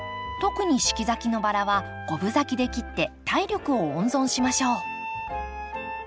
特に四季咲きのバラは５分咲きで切って体力を温存しましょう。